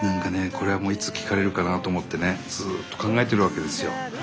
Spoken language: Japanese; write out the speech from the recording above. これはもういつ聞かれるかなと思ってねずっと考えてるわけですよ。